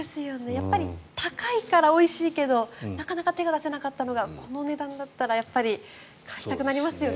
やっぱり高いからおいしいけどなかなか手が出せなかったのがこの値段だったらやっぱり買いたくなりますよね。